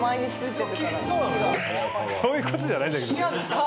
そういうことじゃないんだけどね。